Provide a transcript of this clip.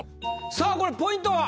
さあこれポイントは？